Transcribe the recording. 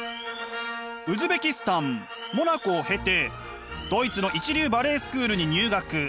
ウズベキスタンモナコを経てドイツの一流バレエスクールに入学。